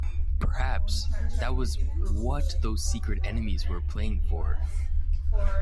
Perhaps that was what those secret enemies were playing for.